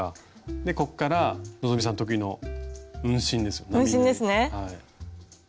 でこっから希さん得意の運針ですよ。